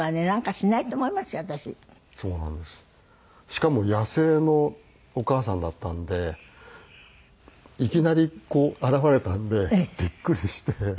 しかも野生のお母さんだったのでいきなりこう現れたのでびっくりして。